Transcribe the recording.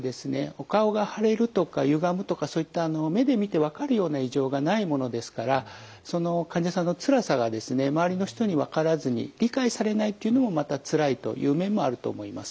お顔が腫れるとかゆがむとかそういった目で見て分かるような異常がないものですからその患者さんのつらさがですね周りの人に分からずに理解されないっていうのもまたつらいという面もあると思います。